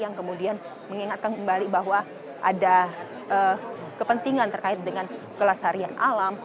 yang kemudian mengingatkan kembali bahwa ada kepentingan terkait dengan kelestarian alam